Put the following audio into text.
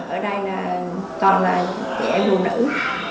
ở đây là toàn là chị em đồ nữ